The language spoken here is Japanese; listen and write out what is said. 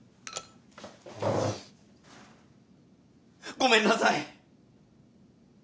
ごめんなさい！